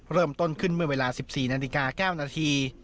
เริ่มต้นขึ้นเมื่อเวลา๑๔นาฬิกา๙นาที